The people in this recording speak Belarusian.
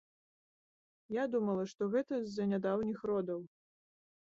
Я думала, што гэта з-за нядаўніх родаў.